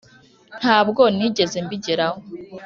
ntabwo nigeze mbigeraho.